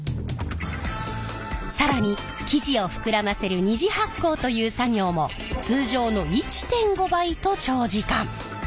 更に生地を膨らませる二次発酵という作業も通常の１．５倍と長時間。